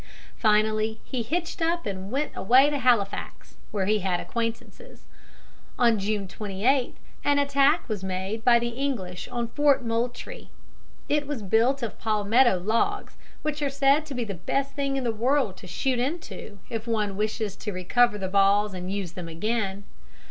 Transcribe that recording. Finally he hitched up and went away to Halifax, where he had acquaintances. [Illustration: LORD HOWE FELT THE COLD VERY KEENLY.] On June 28 an attack was made by the English on Fort Moultrie. It was built of palmetto logs, which are said to be the best thing in the world to shoot into if one wishes to recover the balls and use them again.